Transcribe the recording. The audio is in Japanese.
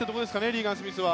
リーガン・スミスは。